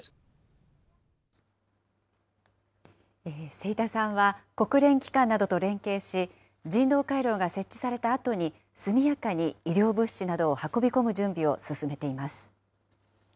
清田さんは、国連機関などと連携し、人道回廊が設置されたあとに、速やかに医療物資などを運び込む準備を進めています。